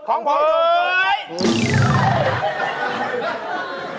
ของผมถูกสุด